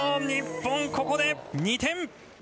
日本ここで２点。